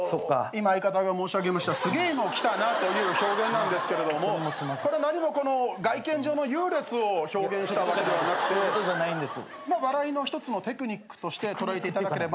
今相方が申し上げました「すげえの来たな」という表現なんですけれどもこれ何もこの外見上の優劣を表現したわけではなくて笑いの一つのテクニックとして捉えていただければなと。